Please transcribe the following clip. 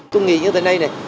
tôi nghĩ như thế này này